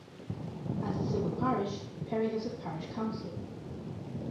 As a civil parish, Perry has a parish council.